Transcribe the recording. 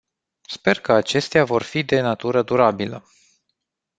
Sper că acestea vor fi de natură durabilă.